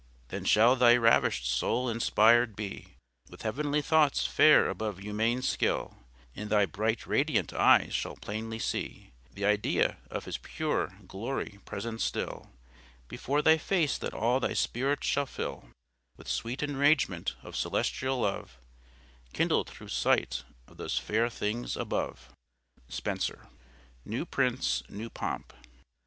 Then shall thy ravisht soul inspired bee With heavenly thoughts farre above humane skil, And thy bright radiant eyes shall plainly see Th' idee of His pure glorie present still Before thy face, that all thy spirits shall fill With sweet enragement of celestial love, Kindled through sight of those faire things above. Spencer NEW PRINCE, NEW POMP.